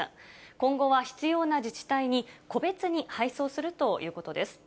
今後は必要な自治体に個別に配送するということです。